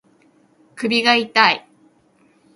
首が痛い